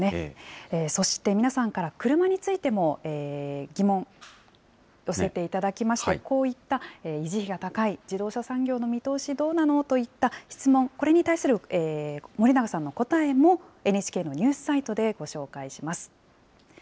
そして皆さんから車についても疑問、寄せていただきまして、こういった維持費が高い、自動車産業の見通しどうなの？といった質問、これに対する森永さんの答えもＮＨＫのニュースサイトでご紹介します。